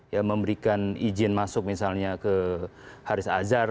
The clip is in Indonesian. ya memberikan izin masuk misalnya ke haris azhar